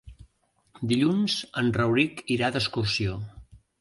Dilluns en Rauric irà d'excursió.